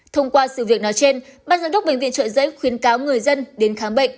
thông qua sự việc nói trên ban giám đốc bệnh viện trợ giấy khuyến cáo người dân đến khám bệnh